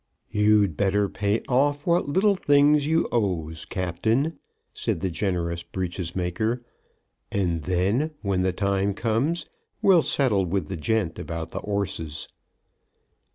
"You'd better pay off what little things you owes, Captain," said the generous breeches maker, "and then, when the time comes, we'll settle with the gent about the 'orses."